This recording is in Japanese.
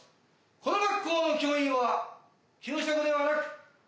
この学校の教員は給食ではなく弁当を。